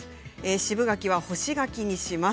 渋柿は干し柿にします。